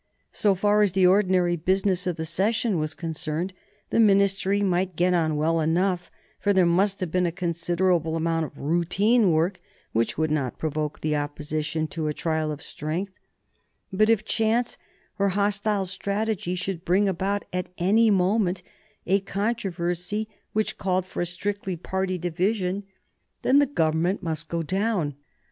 So far as the ordinary business of the session was concerned, the Ministry might get on well enough, for there must have been a considerable amount of routine work which would not provoke the Opposition to a trial of strength; but if chance or hostile strategy should bring about at any moment a controversy which called for a strictly party division, then the Government must go down.